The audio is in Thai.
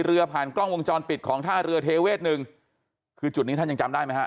ผ่านกล้องวงจรปิดของท่าเรือเทเวศหนึ่งคือจุดนี้ท่านยังจำได้ไหมฮะ